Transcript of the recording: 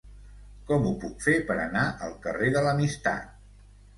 Com ho puc fer per anar al carrer de l'Amistat?